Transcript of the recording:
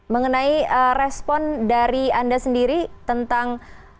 mengenai respon dari anda sendiri tentang